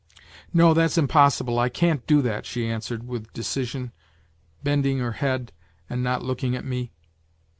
" No, that's impossible, I can't do that," she answered with decision, bending her head and not looking at me.